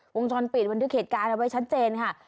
วงชนปิดวันที่เกิดขึ้นเอาไว้ชัดเจนค่ะ